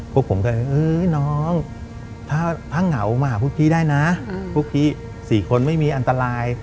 พวกผมก็เลยน้องถ้าเหงามาพวกพี่ได้นะพวกพี่๔คนไม่มีอันตราย